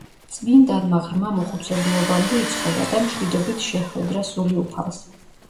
წმინდანმა ღრმა მოხუცებულობამდე იცხოვრა და მშვიდობით შეჰვედრა სული უფალს.